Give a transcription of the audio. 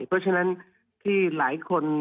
เพราะเช่นที่หลายคน